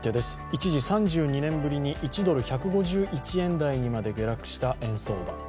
一時３２年ぶりに１ドル＝１５１円台にまで下落した円相場。